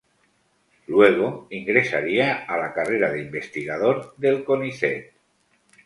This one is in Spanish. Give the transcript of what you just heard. Luego ingresaría a la carrera de investigador del Conicet.